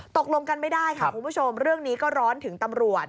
ตกลงกันไม่ได้ค่ะคุณผู้ชมเรื่องนี้ก็ร้อนถึงตำรวจ